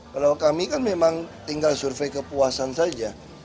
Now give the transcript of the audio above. kalau kami kan memang tinggal survei kepuasan saja